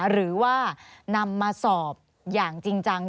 หรือว่านำมาสอบอย่างจริงจัง